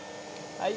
はい。